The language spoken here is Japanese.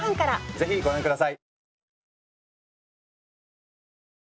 ぜひご覧下さい！